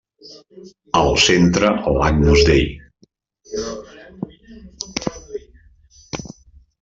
Al centre l'Agnus Dei.